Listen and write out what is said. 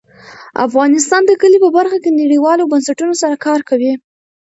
افغانستان د کلي په برخه کې نړیوالو بنسټونو سره کار کوي.